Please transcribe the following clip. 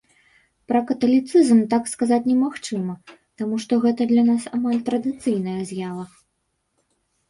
Пра каталіцызм так сказаць немагчыма, таму што гэта для нас амаль традыцыйная з'ява.